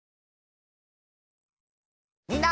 みんな。